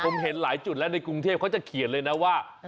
ผมเห็นหลายจุดแล้วในกรุงเทพเขาจะเขียนเลยนะว่า